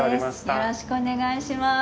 よろしくお願いします。